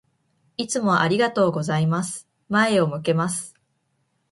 いつもありがとうございます。前を向けます。